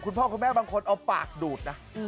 คุณพ่อคุณแม่บางคนเอาปากดูดนะ